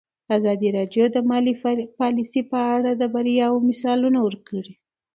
ازادي راډیو د مالي پالیسي په اړه د بریاوو مثالونه ورکړي.